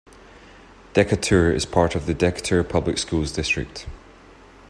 Decatur is part of the Decatur Public Schools district.